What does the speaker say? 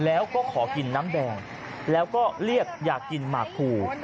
แล้วก็ขอกินน้ำแดงแล้วก็เรียกอยากกินหมากคู